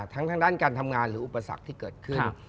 ทั้งด้านการทำงานหรืออุปสรรคที่เกิดขึ้น